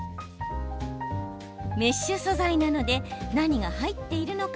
メッシュ素材なので何が入っているのか